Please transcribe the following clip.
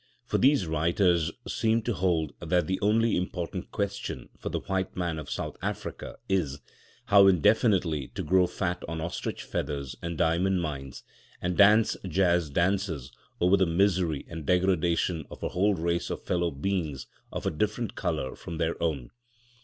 For these writers seem to hold that the only important question for the white men of South Africa is, how indefinitely to grow fat on ostrich feathers and diamond mines, and dance jazz dances over the misery and degradation of a whole race of fellow beings of a different colour from their own.